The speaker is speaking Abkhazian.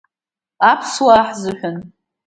Аԥсуаа ҳзыҳәан.